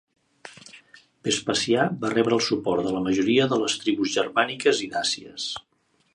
Vespasià va rebre el suport de la majoria de les tribus germàniques i dàcies.